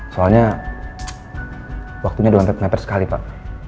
soalnya waktunya udah mepet mepet sekali pak